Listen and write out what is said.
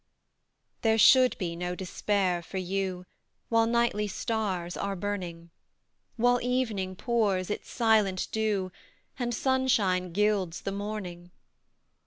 There should be no despair for you While nightly stars are burning; While evening pours its silent dew, And sunshine gilds the morning.